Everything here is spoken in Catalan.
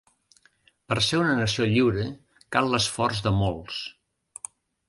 Per ser una nació lliure, cal l'esforç de molts.